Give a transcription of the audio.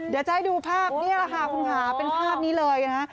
เดี๋ยวจะให้ดูภาพนี่แหละค่ะคุณค่ะเป็นภาพนี้เลยนะคะ